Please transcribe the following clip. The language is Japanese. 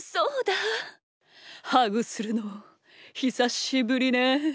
ハグするのひさしぶりね。